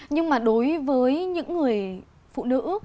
nhưng mà đối với những người phụ nữ